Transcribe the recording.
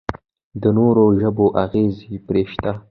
د نورو ژبو اغېز پرې شته.